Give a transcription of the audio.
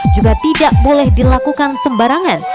juga tidak boleh dilakukan sembarangan